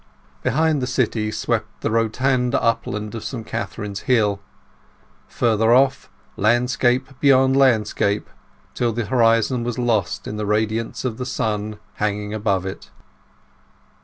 Behind the city swept the rotund upland of St Catherine's Hill; further off, landscape beyond landscape, till the horizon was lost in the radiance of the sun hanging above it.